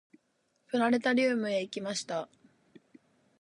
プラネタリウムへ行きました。